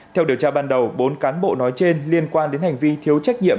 theo điều tra ban đầu bốn cán bộ nói trên liên quan đến hành vi thiếu trách nhiệm